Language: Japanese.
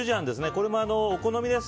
これもお好みです。